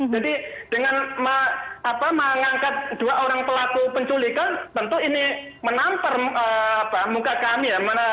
jadi dengan mengangkat dua orang pelaku penculikan tentu ini menampar muka kami ya